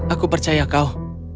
aku percaya kau